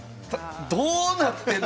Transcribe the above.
どうなってるの？